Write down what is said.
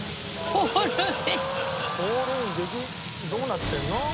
オールインできどうなってるの？